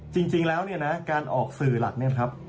จริงแล้วเนี่ยนะการออกสื่อหลักเนี่ยนะครับ